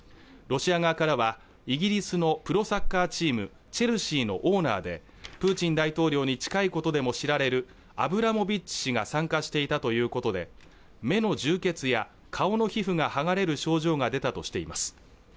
ロシア側からはイギリスのプロサッカーチームチェルシーのオーナーでプーチン大統領に近いことでも知られるアブラモビッチ氏が参加していたということで目の充血や顔の皮膚がはがれる症状が出たとしています